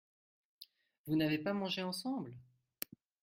Vous n’avez pas mangé ensemble ?